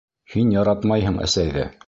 Һин яратмайһың әсәйҙе!